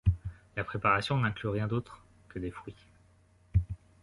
La préparation n'inclut rien d'autre que des fruits.